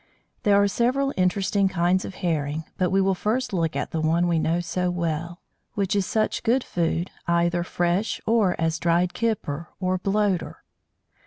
There are several interesting kinds of Herring, but we will first look at the one we know so well, which is such good food, either fresh or as dried "kipper" or "bloater."